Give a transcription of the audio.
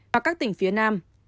và các tỉnh phía nam